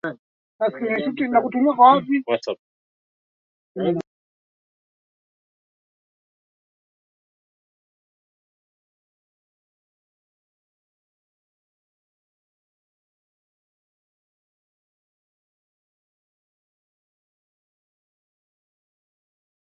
Kinshasa wakielekea Accra kwenye Mkutano wa nchi za Afrika ulioitishwa na Rais Kwame Nkrumah